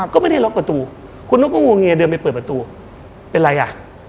ก็ไม่ได้ล็อกประตูคุณนุ๊กก็งวงเงยเดินไปเปิดประตูเป็นไรอ่ะ